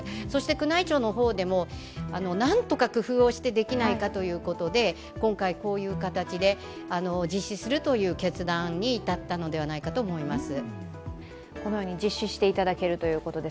宮内庁の方でも何とか工夫をしてできないかということで、今回こういう形で実施するという決断に至ったのではないかと思います。